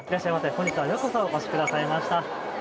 本日は、ようこそお越しくださいました。